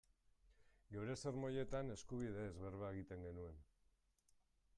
Geure sermoietan eskubideez berba egiten genuen.